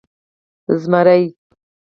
🦬 زمری